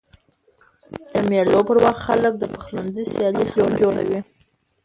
د مېلو پر وخت خلک د پخلنځي سیالۍ هم جوړوي.